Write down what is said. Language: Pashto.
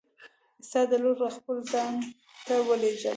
ستا د لورې خپل ځان ته ولیږل!